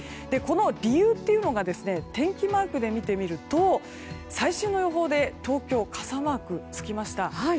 この理由というのが天気マークで見てみると最新の予報で東京傘マークがつきました。